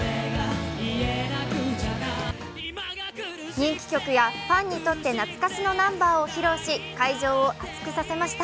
人気曲やファンにとって懐かしのナンバーを披露し会場を熱くさせました。